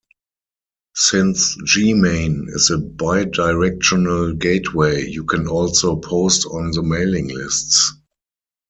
Since Gmane is a bidirectional gateway, you can also post on the mailing lists.